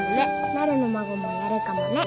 なるの孫もやるかもね。